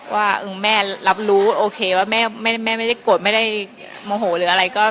ว่าแม่รับรู้โอเคว่าแม่ไม่ได้โกรธไม่ได้โมโหหรืออะไรก็